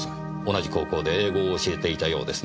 同じ高校で英語を教えていたようですねぇ。